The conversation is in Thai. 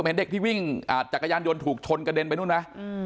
เห็นเด็กที่วิ่งจักรยานยนต์ถูกชนกระเด็นไปนู่นไหม